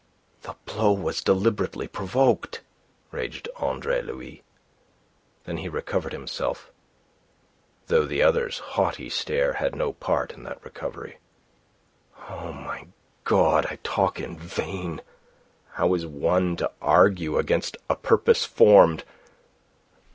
"The blow was deliberately provoked," raged Andre Louis. Then he recovered himself, though the other's haughty stare had no part in that recovery. "O my God, I talk in vain! How is one to argue against a purpose formed!